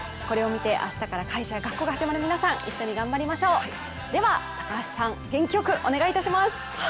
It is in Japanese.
これを見て、明日から会社や学校が始まる皆さん、一緒に頑張りましょう、では高橋さん、元気よくお願いします。